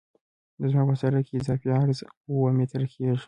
زما په سرک کې اضافي عرض اوه متره کیږي